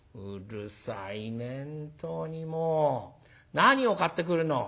何を買ってくるの？」。